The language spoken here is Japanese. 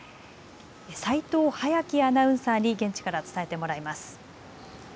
齋藤湧希アナウンサーに、現地から伝えてもらいます。